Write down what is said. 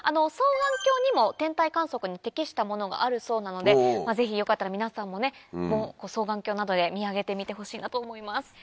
双眼鏡にも天体観測に適したものがあるそうなのでぜひよかったら皆さんも双眼鏡などで見上げてみてほしいなと思います。